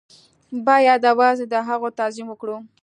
بايد يوازې د هغو تعظيم وکړو.